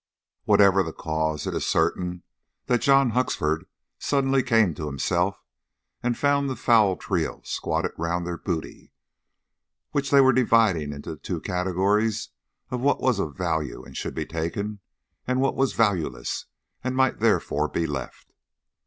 Whatever the cause, it is certain that John Huxford suddenly came to himself, and found the foul trio squatted round their booty, which they were dividing into the two categories of what was of value and should be taken, and what was valueless and might therefore be left.